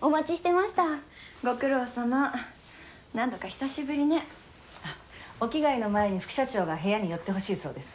お待ちしてましたご苦労さま何だか久しぶりねお着替えの前に副社長が部屋に寄ってほしいそうです